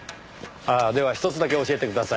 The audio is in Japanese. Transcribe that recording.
ああではひとつだけ教えてください。